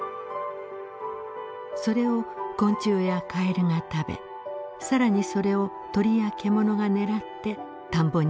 それを昆虫やカエルが食べ更にそれを鳥や獣が狙って田んぼにやって来ます。